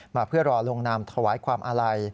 มาเพื่อรอลงนามถวายความอาลัย